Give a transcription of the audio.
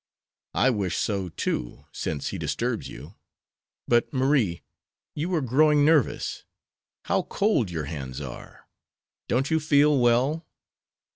"I wish so, too, since he disturbs you. But, Marie, you are growing nervous. How cold your hands are. Don't you feel well?"